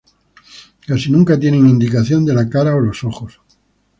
Casi nunca tienen indicación de la cara o los ojos.